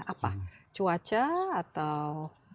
apa cuaca atau